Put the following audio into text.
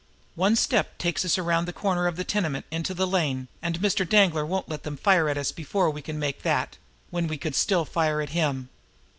"One step takes us around the corner of the tenement into the lane, and Mr. Danglar won't let them fire at us before we can make that when we could still fire at him!"